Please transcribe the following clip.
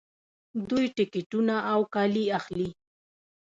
دوی ټکټونه او کالي اخلي.